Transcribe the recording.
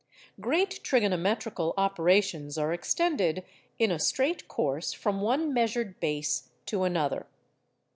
Great trigonometrical operations are extended in a straight course from one measured base to another.